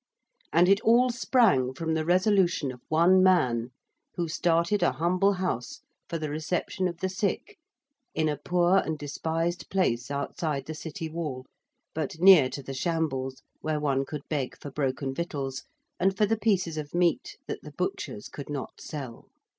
And it all sprang from the resolution of one man, who started a humble house for the reception of the sick in a poor and despised place outside the City wall, but near to the Shambles where one could beg for broken victuals and for the pieces of meat that the butchers could not sell.